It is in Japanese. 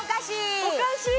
おかしい